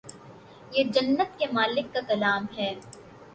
یہ جنت کے مالک کا کلام ہے